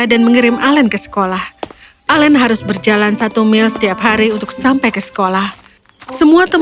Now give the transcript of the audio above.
dia pasti berlatih untuk maraton